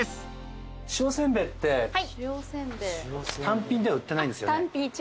塩せんべいって単品では売ってないんですよね？